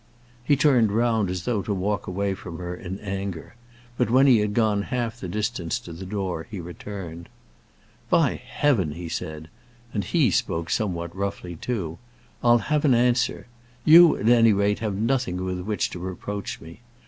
He turned round as though to walk away from her in anger; but when he had gone half the distance to the door he returned. "By heaven!" he said, and he spoke somewhat roughly, too, "I'll have an answer. You at any rate have nothing with which to reproach me.